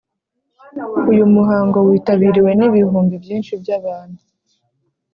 uyu muhango w’itabiriwe n’ibihumbi byinshi by’abantu,